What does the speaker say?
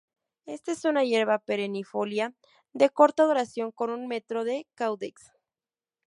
Esta es una hierba perennifolia de corta duración con un metro de caudex.